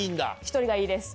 １人がいいです。